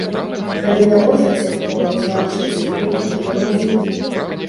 Калі не можаце, то, значыць, вы такія музыкі.